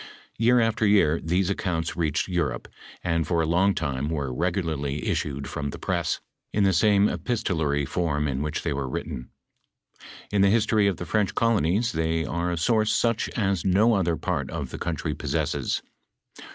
"* Year after year these accounts reached Europe, and for a long time were regularly issued from the press, in the same epistolary form in which they were written. In the history of the French colonies, they are a source Buch as no other part of the country possesses.